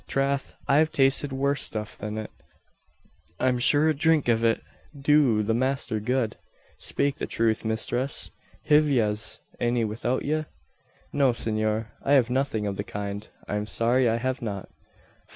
Trath, I've tasted worse stuff than it. I'm shure a dhrink av it ud do the masther good. Spake the truth, misthress! Hiv yez any about ye?" "No, senor. I have nothing of the kind. I am sorry I have not."